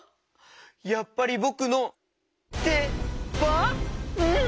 やっぱりぼくのでばん？